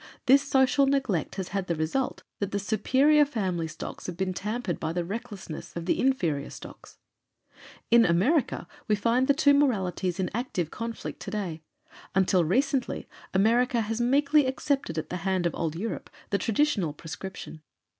This social neglect has had the result that the superior family stocks have been tampered by the recklessness of the inferior stocks. In America, we find the two moralities in active conflict today. Until recently America has meekly accepted at the hand of Old Europe the traditional prescription.